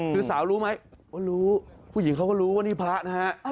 คือสาวรู้ไหมรู้ผู้หญิงเขาก็รู้ว่านี่พระนะฮะ